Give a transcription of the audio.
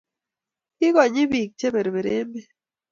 Kikonyi bik che berber emet